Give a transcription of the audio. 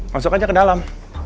masuk aja ke dalam